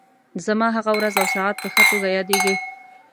زما هغه ورځ او ساعت په ښه توګه یادېږي.